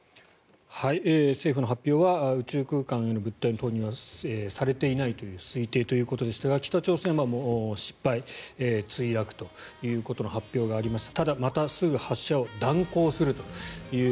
政府の発表は宇宙空間への物体の投入はされていないという推定ということでしたが北朝鮮は失敗、墜落ということの発表がありました。